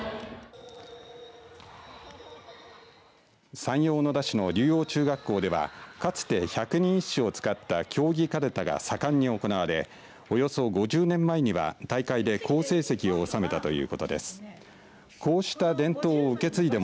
山陽小野田市の竜王中学校ではかつて百人一首を使った競技かるたが盛んに行われおよそ５０年前には大会で好成績を収めたということです。